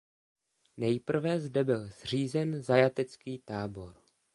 Nejprve zde byl zřízen zajatecký tábor.